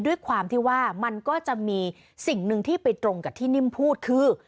ด้วยความที่ว่ามันก็จะมีสิ่งหนึ่งที่ไปตรงกับที่นิ่มพูดคือ